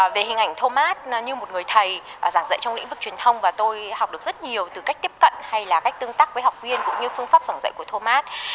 về hình ảnh thomas như một người thầy giảng dạy trong lĩnh vực truyền thông và tôi học được rất nhiều từ cách tiếp cận hay là cách tương tác với học viên cũng như phương pháp giảng dạy của thomas